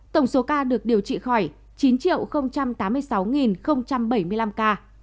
tổng số ca được điều trị khỏi chín tám mươi sáu bảy mươi năm ca